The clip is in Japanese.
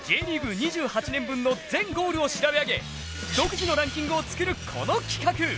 ２８年分の全ゴールを調べ上げ、独自のランキングを作るこの企画。